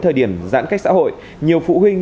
thời điểm giãn cách xã hội nhiều phụ huynh